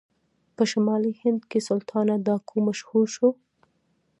په شمالي هند کې سلطانه ډاکو مشهور شو.